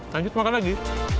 lanjut makan lagi